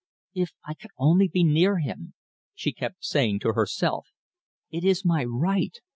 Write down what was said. "If I could only be near him!" she kept saying to herself. "It is my right.